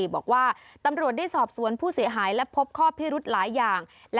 บอกว่าตำรวจได้สอบสวนผู้เสียหายและพบข้อพิรุธหลายอย่าง